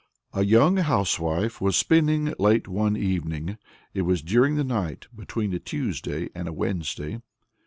A young housewife was spinning late one evening. It was during the night between a Tuesday and a Wednesday.